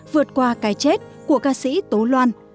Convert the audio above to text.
vượt qua cái chết của ca sĩ tố loan